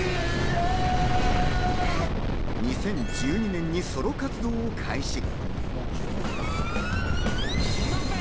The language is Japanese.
２０１２年にソロ活動を開始。